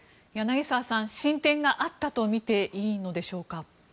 柳澤さん進展があったとみていいのでしょうか。